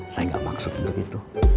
saya gak maksud untuk itu